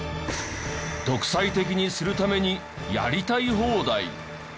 独裁的にするためにやりたい放題。